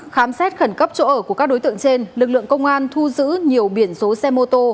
khám xét khẩn cấp chỗ ở của các đối tượng trên lực lượng công an thu giữ nhiều biển số xe mô tô